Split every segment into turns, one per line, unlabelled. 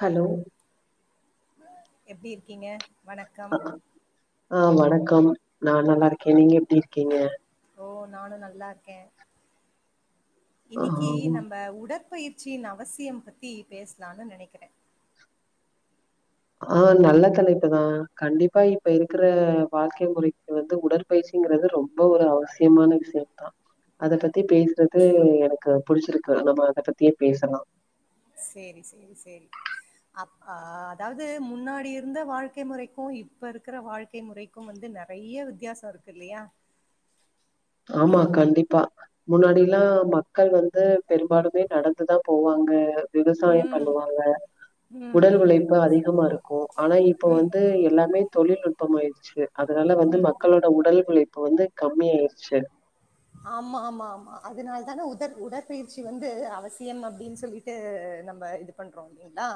Hello
எப்டி இருக்கீங்க வணக்கம்.
ஆ வணக்கம் நா நல்லா இருக்கே நீங்க எப்டி இருக்கீங்க
ஓ நானு நல்லாருக்கே
ஆ
இன்னைக்கு நம்ப உடற்பயிற்சின் அவசியம் பத்தி பேசலான்னு நெனைக்கிற
ஆ நல்ல தலைப்பு தா கண்டிப்பா இப்ப இருக்கற வாழ்க்கை முறைக்கு வந்து உடற் பயிற்சிங்கறது ரொம்ப ஒரு அவசியமான விஷ்ய தா அத பத்தி பேசறது எனக்கு புடிச்சிருக்கு நம்ம அத பத்தியே பேசலா
சேரி சேரி சேரி அப் அ அதாவது முன்னாடி இருந்த வாழ்க்கை முறைக்கு இப்ப இருக்கற வாழ்க்கை முறை கு வந்து நெறைய வித்யாசோ இருக்கு இல்லையா
ஆமா கண்டிப்பா முன்னாடில்லா மக்கள் வந்து பெரும்பாலுமே நடந்து தா போவாங்க விவசாயம்
ம்.
பண்ணுவாங்க
ம்,
உடல்
ம்,
உழைப்பு அதிகமா இருக்கு ஆனா இப்ப
ம்,
வந்து எல்லாமே தொழில்நுட்பம் ஆய்டுச்சு அதனால வந்து
ம்.
மக் களோட உடல் உழைப்பு வந்து கம்மியாய்ருச்சு
ஆமா ஆமா ஆமா அதனால் தான உதற் உடற்பயிற்சி வந்து அவசியன் அப்டின் சொல்லிட் டு நம்ப இது பண்றோ இல்லைங்ளா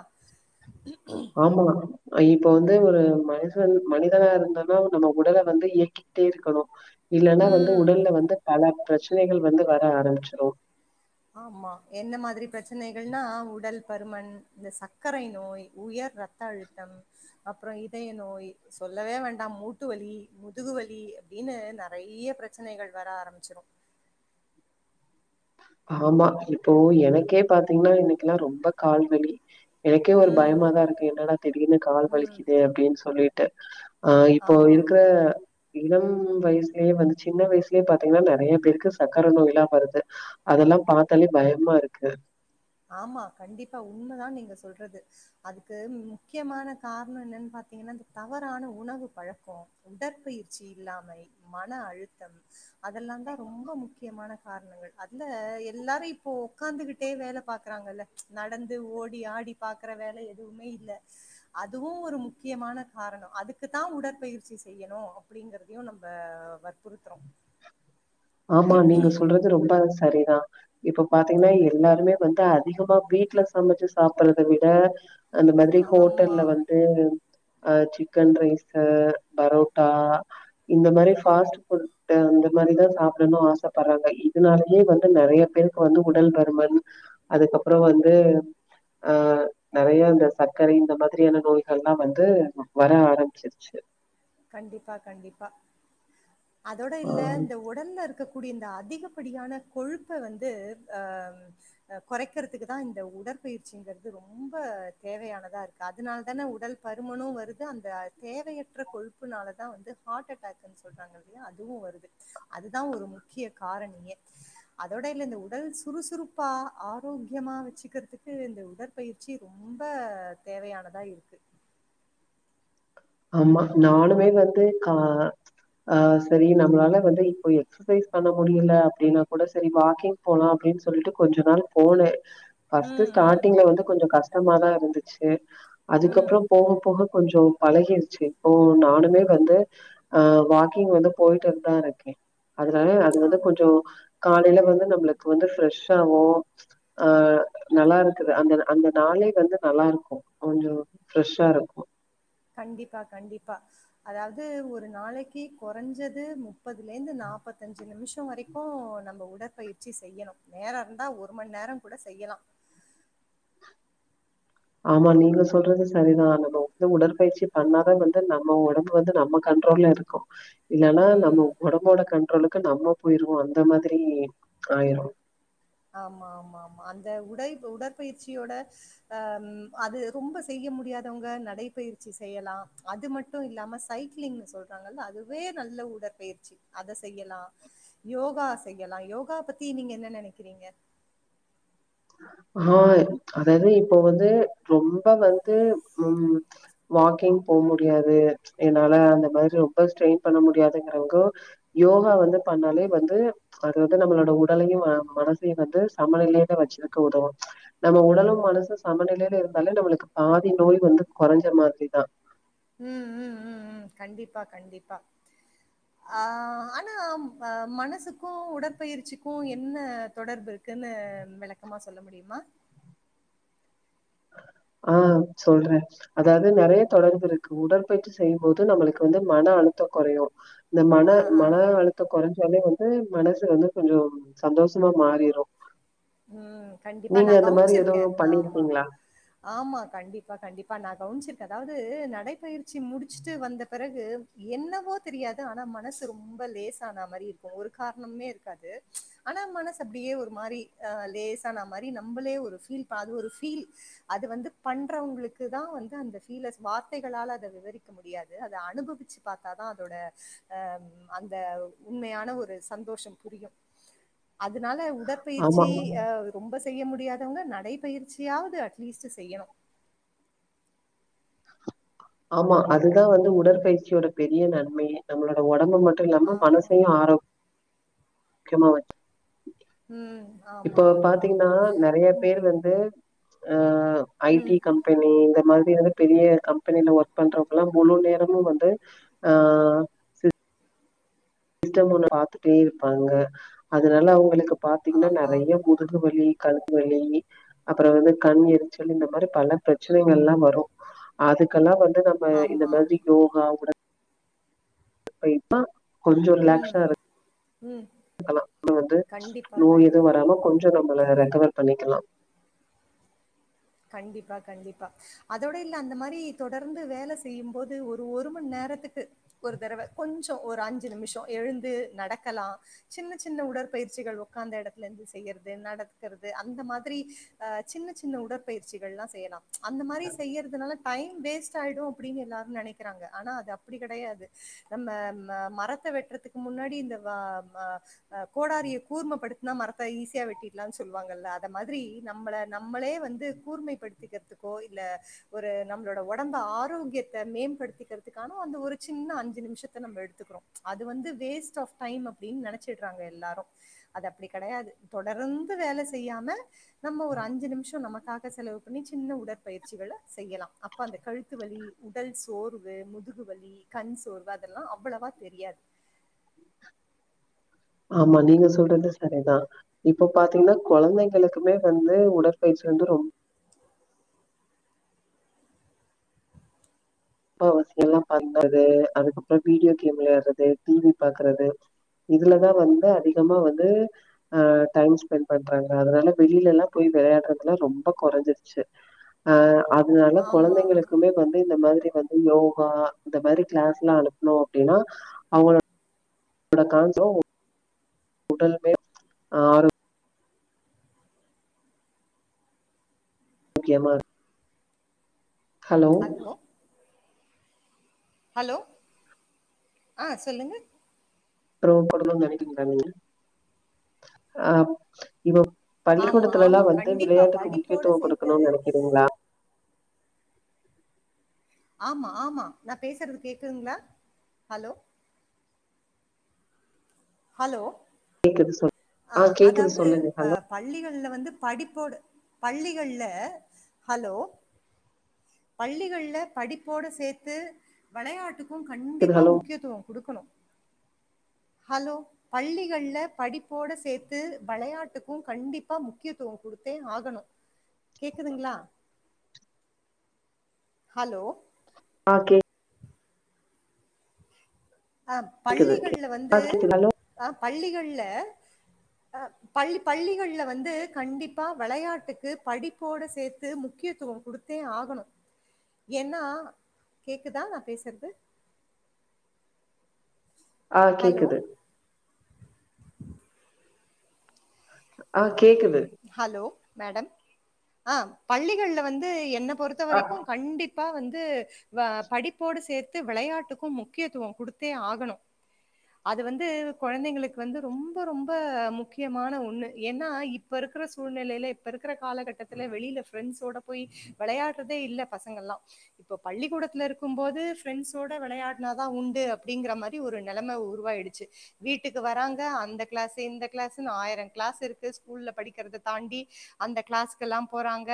ஆமா இப்ப வந்து ஒரு மனி தன் மனிதனா இருந்தாலு நம்ம உடல வந்து இயக்கிக்ட்டே இருக்கனு இல்லன்னா வந்து
ம்.
உடல்ல வந்து பல பிரச்சனைகள் வந்து வர ஆரம்பிச்சிரு
ஆமா என்ன மாதிரி பிரச்சனைகள்னா உடல் பருமன் இந்த சக்கரை நோய் உயர் ர த்த அழுத்தம் அப்புறோ இதைய நோய் சொல்லவே வேண்டா மூட்டு வலி முதுகு வலி அப்டினு நெறைய பிர ச்சனைகள் வர ஆரம்பிச்சிரு
ஆமா இப்போ எனக்கே பாத்தீங்னா இன்னைக்குல்லா ரொம்ப கால்வலி எனக்கே ஒரு
ம்,
பயமாதா இருக்கு என்னடா திடீர்னு கால்
ம்.
வலிக்குது அப்டின் சொல்லிட்டு ஆ இப்போ
ஆமா.
இருக்க இளம் வயசுலயே வந்து சின்ன வயசுலேயே பாத்தீங்னா நெறைய பேருக்கு சக்கர நோய்லா வருது அதெல்லா பாத்தாலே பயமா இருக்கு
ஆமா கண்டிப்பா உண்மைதா நீங்க சொல்றது அதுக்கு முக்கியமான காரணம் என்னன்னு பாத்தீங்கன்னா அந்த தவறான உணவு பழக்கோ உடற்பயிற்சி இல்லாமை மன அழுத்தம் அதெல்லாதா ரொம்ப முக்கியமான காரணங்கள் அதுல எல்லாரு இப்போ ஒக்காந்துகிட்டே வேல பாக்குறாங்கல்ல நடந்து ஓடி ஆடி பாக்குற வேல எதுமே இல்ல அதுவு ஒரு முக்கியமான காரணம் அதுக்குத்தா உடற்பயிற்சி செய்யணு அப்டிங்கிறதையு நம்ப வற்புறுத்துறோ
ஆமா நீங்க சொல்றது ரொம்ப சரிதா இப்ப பாத்தீங்னா எல்லாருமே வந்து அதிகமா வீட்ல சமைச்சு சாப்புட்றத விட அந்த மாதிரி
ஆமா.
ஹோட்டல்ல வந் து ஆ சிக்கன் ரைஸ் பரோட்டா இந்த மாதிரி ஃபாஸ்ட் ஃபுட் அந்த மாதிரிதா சாப் புடனு ஆசைப்படுறாங்க இதனாலயே வந்து நறைய பேருக்கு வந்து உடல் பருமன் அதுக்கு அப்பறோ வந்து அ நறைய இந்த சர்க்கரை இந்த மாதிரியான நோய்கள் எல்லா வந்து வர ஆரம்பிச்சிருச்சு
கண்டிப்பா கண்டிப்பா அதோட
ஆ
இல்ல இந்த உ டல்ல இருக்கக்கூடிய இந்த அதிகப்படியான கொழுப்ப வந்து அ அ கொறைக்கிறதுக்குதா இந்த உடற்பயிற்சிங்கறது ரொம்ப தேவையானதா இருக்கு அதனாலதான உடல் பருமனும் வருது அந்த தேவையற்ற கொழு ப்புனாலதா வந்து ஹார்ட் அட்டாக்ன்னு சொல்றாங்க இல்லையா அதுவு வருது அதுதா ஒரு முக்கிய காரணியே அதோட இல்ல இந்த உடல் சுறுசுறுப்பா ஆரோக்கியமா வச்சுக்கிறதுக்கு இந்த உடல் பயிற்சி ரொம்ப தேவையானதா இருக்கு
ஆமா நானுமே வந்து கா ஆ சரி நம்மளால வந்து இப்போ எக்ஸ் சசைஸ் பண்ண முடியல அப்படின்னா கூட சரி வாக்கிங் போலா அப்படின்னு சொல்லிட்டு கொஞ்ச நாள் போனே ஃபர்ஸ்ட்
ம், ம்,
ஸ்டார்ட்டிங்ல வந்து கொஞ்சோ கஷ்டமாதா இருந்துச்சு
ம்.
அதுக்கப்பறோ போக போக கொஞ்சோ பழகிடுச்சு இப்போ நானுமே வந்து ஆ வாக்கிங் வந்து போயிட்டுதா இருக்கே அதனால அது வந்து
ஆம்.
கொஞ்சோ காலையில வந்து நம்மளுக்கு வந்து ஃப்ரெஷ் ஆவு ஆ நல்லா இருக்குது அந்த அந்த நாளே வந்து நல்லா இருக்கு கொஞ்சோ ஃப்ரெஷ்ஷா இருக்கு
கண்டிப்பா கண்டிப்பா அதாவது ஒரு நாளைக்கு குறைஞ்சது முப்பதுலேந்து நாற்பத்தஞ்சு நிமிஷ வரைக் கு நம்ம உடற்பயிற்சி செய்யனு, நேரம் இருந்தா ஒரு மண்நேரம் கூட செய்யலா
ஆமா நீங்க சொல்றது சரிதா நம்ம வந்து உடற்பயிற்சி பண்ணாதே வந்து நம்ம ஒடம்பு வந்து நம்ம கண்ட்ரோல்ல இருக் கு இல்லன்னா நம்ம
ம்.
ஒடம்போட கண்ட்ரோலுக்கு நம்ம போயிருவோ அந்த மாதிரி ஆயிரு
ஆமா ஆமா ஆமா அந்த உடை உடற்பயிற்சியோட அ அது ரொம்ப செய்ய முடியாதவங்க நடைபயிற்சி செய்யலா அது மட் டு இல்லாம சைக்கிளிங்னு சொல்றாங்கல்ல அதுவே நல்ல உடற்பயிற்சி அத செய்யலா யோகா செய்யலா யோகா பத்தி நீங்க என்ன நெனைக்கிறீங்க
ஆ அதாவது இப்போ வந்து ரொம்ப வந்து ம் வாக்கிங் போ முடியாது என்னால அந்த மாதிரி ரொம்ப ஸ்ட்ரெயின் பண்ண முடியாதுங்கறவங்க யோகா வந்து பண்ணாலே வந்து அது வந்து நம்மளோட உடலையும் மனசையும் வந்து சமனிலையில வச்சிருக்க உதவும் நம்ம உடலும் மனசும் சமநிலையில இருந்தாலே நம்மளுக்கு பாதி நோய் வந்து குறைஞ்ச மாதிரி தான்
உம் உம் உம் உம் கண்டிப்பா கண்டிப்பா
[inaudible]
ஆனா மனசுக்கும் உடற்பயிற்சிக்கும் என்ன தொடர்பு இருக்கு னு விளக்கமா சொல்ல முடியுமா
ஆ சொல்றே அதாவது நெறைய தொடர்பு இருக்கு உடற்பயிற்சி செய்யும் போது நம்மளுக்கு வந்து மன அழுத்தம் குறையும் இந்த மன
ஆ,
மன
ஆ.
அழுத்த குறைஞ்சாலயே வந்து மனசு வந்து கொஞ்சம் சந்தோஷமா மாறிடும்
உம் கண்டிப்பா நா
மாரி
கவனிச்சிருக்கேன்
எதுவும்
ஆமா
பண்ணியிருக்கீங்களா?
ஆமா கண்டிப்பா கண்டிப்பா நா கவனிச்சிருக்கே அதாவது நடைப்பயிற்சி முடிச்சுட்டு வந்த பிறகு என்னவோ தெரியாது ஆனா மனசு ரொம்ப லேஸ் ஆன மாரி இருக்கும் ஒரு காரணமே இருக்காது ஆனா மனசு அப்டியே ஒரு மாரி ஆ லேசான மாரி நம்மளே ஒரு பீல் அது ஒரு பீல் அது வந்து பண்றவங்களுக்கு தா வந்து அந்த பீலஸ் வார்த்தைகளா தா விவரிக்க முடியாது அது அனுபவிச்சு பாத்தாதா அதோட அ அந்த உண்மையான ஒரு சந்தோஷம் புரியும் அதுனால உடற்பயிற்
ஆமா,
ற்சி ரொம்ப செய்ய முடியாதவங்க நடைபயிற்சியாவது அட்லீஸ்ட் செய்யணும்
ஆமா அதுதான் வந்து உடற்பயிற்சியோட பெரிய நன்மையே நம்மளோட உடம்பு மட்டும் இல்லாம
ஆமா.
மனசையும் ஆரோக் கியமா வச்சு
ம். ஆமா,
இப்போ
ஆமா, ஆமா.
பாத்தீங்கன்னா நெறைய பேர் வந்து அ
ம்.
ஐடி கம்பெனி இந்த மாதிரியெல்லா வந்து பெரிய கம் கம்பெனில ஒர்க் பண்றவங்கல்லாம் முழு நேரமும் வந்து ஆ சி்ஸ்டம் ஒர்க் பாத்துட்டே இருப்பாங்க அதனால அவுங்களுக்கு பாத்தீங்கன்னா
ஆமா.
நெறைய முதுகு வலி கழுத்து வலி அப்றோ வந்து கண் எரிச்சல் இந்த மாரி பல பிரச்சனைகள் எல்லாம் வரும் அதுக்கெல்லாம் வந்து நம் அ இந்த
ஆமா, ஆமா.
மாரி யோகா கூட அதுக்கு தா கொஞ்சோம் ரிலாக்ஸா இரு
உம்
க்கலாம் வந்து நோய் எதுவும் வராம கொஞ்சோம் நம்மளை ரெக்கவர் பண்ணிக்கலாம்
கண்டிப்பா கண்டிப்பா அதோட இல்ல அந்த மாரி தொடர்ந்து வேலை செய்யும் போது ஒரு ஒரு மணி நேரத்துக்கு ஒரு தடவ கொஞ்சோம் ஒரு அஞ்சு நிமிஷம் எழுந்து நடக்கலாம் சின்ன சின்ன உடற்பயிற்சிகள் உக்காந்த எடத்துல இருந்து செய்யுறது நடக்கிறது அந்த மாதிரி அ சின்ன சின்ன உடற்பயிற்சிகள் எல்லாம் செய்யலாம் அந்த மாரி செய்றதுனால டைம் வேஸ்ட் ஆயிடும் அப்டின்னு எல்லாரும் நெனைக்கிறாங்க ஆனா அது அப்டி கெடையாது நம்ம மரத்தை வெட்டுறதுக்கு முன்னாடி இந்த வா வா அ கோடாரியை கூர்மைப்படுத்துனா மரத்த ஈஸியா வெட்டிடலாம்னு சொல்லுவாங்கல்ல அத மாதிரி நம்மள நம்மளே வந்து கூர்மைப்படுத்திக்கிறதுக்கோ இல்ல ஒரு நம்மளோட உடம்பு ஆரோக்கியத்த மேம்படுத்திக்கிறதுக்கான அந்த ஒரு சின்ன அஞ்சு நிமிஷத்தை நம்ம எடுத்துக்கிறோ அது வந்து வேஸ்ட் ஆஃப் டைம் அப்டின்னு நெனைச்சுட்றாங்க எல்லாரும் அது அப்டி கெடையாது தொடர்ந்து வேலை செய்யாம நம்ம ஒரு அஞ்சு நிமிஷம் நம்ம அதுக்காக செலவு பண்ணி சின்ன உடற்பயிற்சிகள செய்யலாம் அப்ப அந்த கழுத்து வலி உடல் சோர்வு முதுகு வலி கண் சோர்வு அதெல்லாம் அவ்ளவா தெரியாது
ஆமா நீங்க சொல்றது சரிதா இப்ப பாத்தீங்கன்னா கொழந்தைங்களுக்குமே வந்து உடற்பயிற்சி வந்து ரொம்ப அப்பாவசியொல்லா பண்றது அதுக்கப்புறம் வீடியோ கேம் விளையாடுறது டிவி பாக்குறது இதுலதா வந்து அதிகமா வந்து ஆ டைம் ஸ்பெண்ட் பண்றாங்க அதனால வெளியில எல்லா போய் விளையாடுறதல்லாம் ரொம்ப கொறைஞ்சிருச்சி அ அதனால
ஆமா ஆமா
கொழந்தைங்களுக்குமே வந்து இந்த மாதிரி வந்து யோகா இந்த மாரி கிளாஸ்ல்லா அனுப்பணும் அப்டின்னா அவங்களோ பட காஞ்சோ உடலுமே ஆரோ க்கியமா ஹலோ
ஹலோ ஆ சொல்லுங்க
அப்புறம் பொடலுன்னு நெனைக்க மாட்டாங்ளா ஆ இப்போ
ஆமா
பள்ளிக்கூடத்துல எல்லா
ஆமா
வந்து
கண்டிப்பா
விளையாட்டுக்கு
படிப்போட
முக்கியத்துவம்
சேத்து
கொடுக்கணுன்னு நெனைக்கிறீங்ளா
ஆமா ஆமா நா பேசறது கேக்குதுங்களா ஹலோ ஹலோ
கேக்குது சொல்
ஆ
கேக்குது
அதாவது
சொல்லுங்க
அ
ஹலோ
பள்ளிகள்ல வந்து படிப்போடு பள்ளிகள்ல ஹலோ பள்ளிகள்ல படிப்போடு சேத்து வெளையாட்டுக்கு
கேக்குது
கண்டிப்ப
ஹலோ
முக்கியத்துவ குடுக்கணு ஹலோ பள்ளிகள்ல படிப்போட சேத்து வெளையாட்டுக்கும் கண்டிப்பா முக்கியத்துவம் குடுத்தே ஆகணு கேக்குதுங்ளா ஹலோ
ஓகே
ஆ பள்ளிகள்ல
ஆ
வந்து
கேக்குது ஹலோ
ஆ பள்ளிகள்ல அ பள்ளி பள்ளிகள்ல வந்து கண்டிப்பா வெளையாட்டுக்கு படிப்போட சேத்து முக்கியத்துவ குடுத் தே ஆகணு ஏன்னா கேக்குதா நா பேசற்து
ஆ
ஹலோ,
கேக்குது ஆ கேக்குது
ஹலோ மேடம் ஆ பள்ளிகள்ல வந்து என்ன பொறுத்த
ஆ
வரைக்கும் கண்டிப் பா வந்து படிப்போடு சேர்த்து விளையாட்டுக்கு முக்கியத்துவம் கொடுத்தே ஆகணு அது வந்து கொழந்தைங்களுக்கு வந்து ரொம்ப ரொம்ப முக்கியமான ஒன்னு ஏன்னா இப் ப இருக்கற சூழ்நெலையில இப்ப இருக்கற காலகட்டத்துல வெளியில ஃப்ரெண்ட்ஸோட போய் விளையாட்றதே இல்ல பசங்கள்லா இப்ப பள்ளிக்கூடத்துல இருக்கும் போது பிரெண்ட்ஸோட விளையாடினாதா உண்டு அப்டிங்கற மாதி ரி ஒரு நெலம உருவாயிடுச்சி வீட்டுக்கு வராங்க அந்த கிளாஸ் இந்த கிளாஸ்ன்னு ஆயிரம் கிளாஸ் இருக்கு ஸ்கூல்ல படிக்கிறத தாண்டி அந்த கிளாஸ்கெல்லா போறாங்க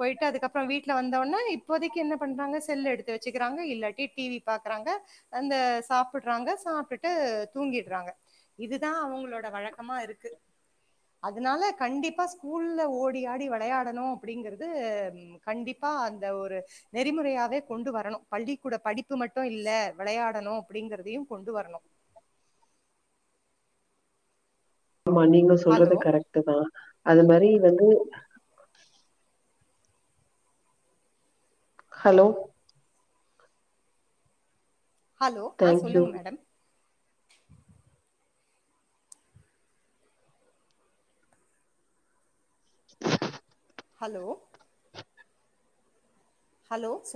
போயிட்டு அதுக்கப்புறம் வீட்டுல வந்தவொன்னே இப்போதைக்கு என்ன பண்றாங்க செல்ல எடுத்து வெச்சுக்கறாங்க இல்லாட்டி டிவி பாக்கறாங்க வந்து சாப்புட்றாங்க சாப்டுட்டு தூங்கிட்றாங்க இதுதா அவங்களோட வழக்கமா இருக்கு அதனால கண்டிப்பா ஸ்கூல்ல ஓடி ஆடி விளையாடணும் அப்டிங்கறது கண்டிப்பா அந்த ஒரு நெறிமுறையாவே கொண்டு வரணு பள்ளி கூட படிப்பு மட்டு இல்ல விளையாடணு அப்டிங்கறதையு கொண்டு வரணு
ஆமா நீங்க சொல்றது
ஹலோ
கரெக்ட்டு தா அது மாரி வந்து ஹலோ
ஹலோ ஆ
தேங்க்யூ
சொல்லுங்க மேடம் ஹலோ ஹலோ ஷி